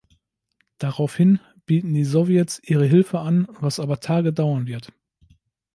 Daraufhin bieten die Sowjets Ihre Hilfe an, was aber Tage dauern wird.